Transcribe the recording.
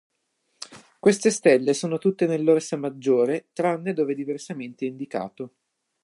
Queste stelle sono tutte nell'Orsa Maggiore, tranne dove diversamente indicato.